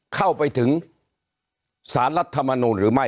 เข้าไปถึงสารรัฐมนูลหรือไม่